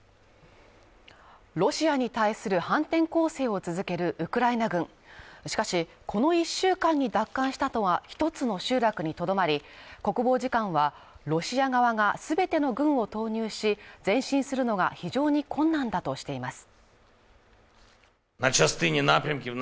ロシアに対する反転攻勢を続けるウクライナ軍しかし、この１週間に奪還したのは、一つの集落にとどまり、国防次官はロシア側が全ての軍を投入し、前進するのが非常に困難だとしています。